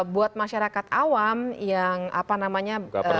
buat masyarakat awam yang apa namanya